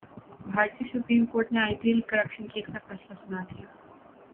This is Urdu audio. بھارتی سپریم کورٹ نے I P L corruption case کا فیصلہ سنادیا